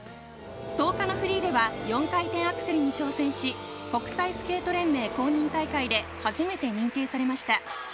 １０日のフリーでは４回転アクセルに挑戦し、国際スケート連盟公認大会で初めて認定されました。